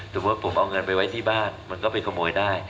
สมมุติผมเอาเงินไปไว้ที่บ้านมันก็ไปขโมยได้